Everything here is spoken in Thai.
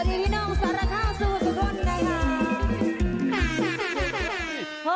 สวัสดีพี่น้องสาระข้าวสู่ทุกคนไงครับ